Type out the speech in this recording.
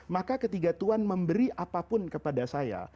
maka ketika tuhan memberi apapun kepada saya